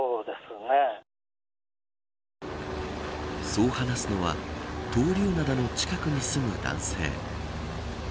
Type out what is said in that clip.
そう話すのは闘竜灘の近くに住む男性。